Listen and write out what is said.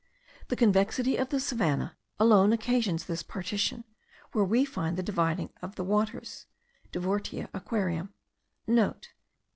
The convexity of the savannah alone occasions this partition: we there find the dividing of the waters (divortia aquarum* (* "C.